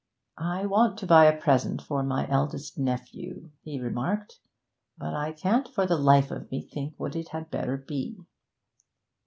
'I want to buy a present for my eldest nephew,' he remarked, 'but I can't for the life of me think what it had better be.'